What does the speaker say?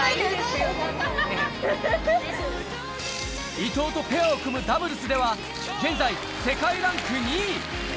伊藤とペアを組むダブルスでは現在、世界ランク２位。